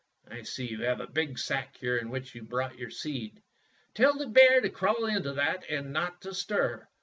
I see you have a big sack here in which you brought your seed. Tell the bear to crawl into that and not to stir.